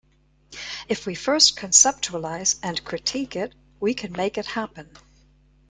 If we first conceptualize and critique it, we can make it happen.